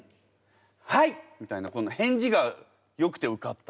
「はい！」みたいなこの返事がよくて受かった？